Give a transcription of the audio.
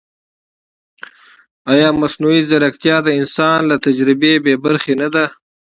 ایا مصنوعي ځیرکتیا د انسان له تجربې بېبرخې نه ده؟